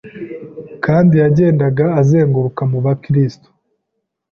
kandi yagendaga azenguruka mu bakristo